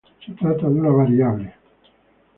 Se trata de una variable que.